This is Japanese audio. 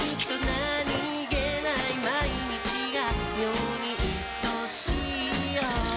何気ない毎日が妙にいとしいよ